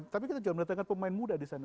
tapi kita juga mendatangkan pemain muda di sana